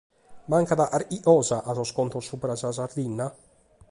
Mancat carchi cosa a sos contos subra sa Sardigna?